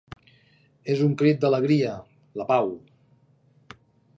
És un crit d’alegria: la pau.